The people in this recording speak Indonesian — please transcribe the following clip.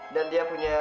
dan dia punya